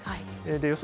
予想